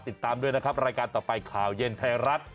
ติดตามด้วยนะครับรายการต่อไปข่าวเย็นไทยรัฐ